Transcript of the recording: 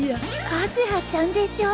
和葉ちゃんでしょ！